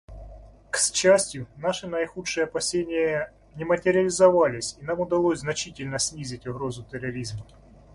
К счастью, наши наихудшие опасения не материализовались и нам удалось значительно снизить угрозу терроризма.